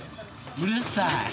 うるさい。